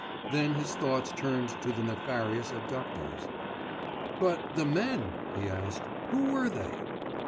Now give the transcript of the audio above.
Then his thoughts turned to the nefarious abductors. "But the men," he asked, "Who were they?"